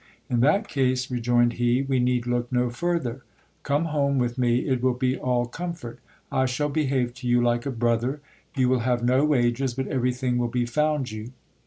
In that case, rejoined he, we need look no further. Come home with me ; it will be all comfort : I shall behave to you like a brother. You will have no wages, but everything will be found you.